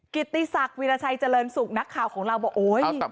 ติศักดิราชัยเจริญสุขนักข่าวของเราบอกโอ๊ย